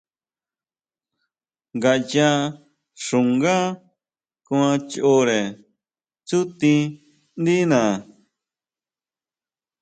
Ngayá xungá kuan choʼre tsútindina.